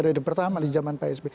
periode pertama di jaman psb